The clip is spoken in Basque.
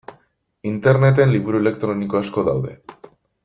Interneten liburu elektroniko asko daude.